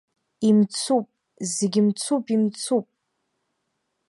Имцуп, зегьы мцуп, имцуп!